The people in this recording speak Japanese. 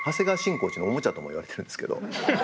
コーチのおもちゃとも言われてるんですけど。